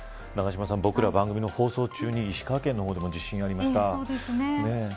永島さん、僕ら番組の放送中に石川県の方でも地震がありました。